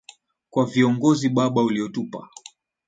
kwa viongozi Baba uliotupa.